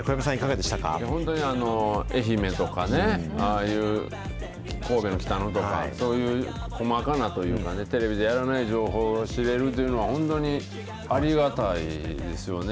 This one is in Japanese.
本当に愛媛とかね、ああいう神戸の北野とか、そういう細かなというかね、テレビでやらない情報を知れるというのは、本当にありがたいですよね。